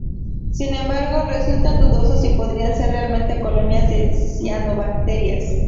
Sin embargo, resultan dudosos y podrían ser realmente colonias de cianobacterias.